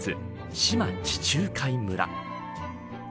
志摩地中海村。